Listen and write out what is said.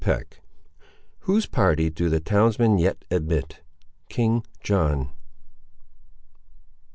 CHAPTER XIV Whose party do the townsmen yet admit? —King John.